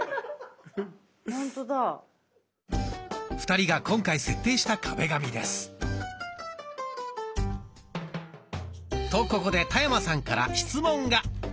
２人が今回設定した壁紙です。とここで田山さんから質問が。